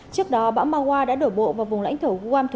trước đó bão magua đã đổ bộ vào vùng lãnh thổ